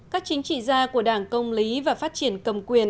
các chính trị gia của đảng công lý và phát triển cầm quyền